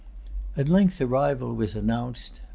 At length a rival was announced.